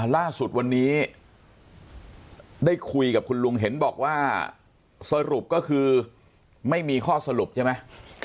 ล่าสุดวันนี้ได้คุยกับคุณลุงเห็นบอกว่าสรุปก็คือไม่มีข้อสรุปใช่ไหม